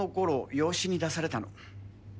養子に出されたの。